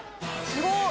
すごい！